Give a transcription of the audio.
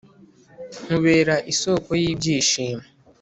nkubera isoko y'ibyishimo